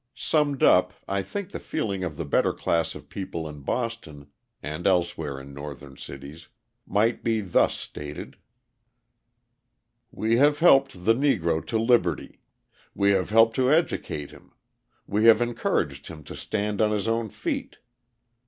Summed up, I think the feeling of the better class of people in Boston (and elsewhere in Northern cities) might be thus stated: We have helped the Negro to liberty; we have helped to educate him; we have encouraged him to stand on his own feet.